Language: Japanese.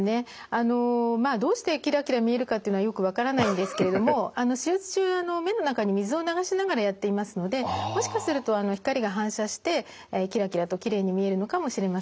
あのどうしてキラキラ見えるかっていうのはよく分からないんですけれども手術中の目の中に水を流しながらやっていますのでもしかすると光が反射してキラキラときれいに見えるのかもしれません。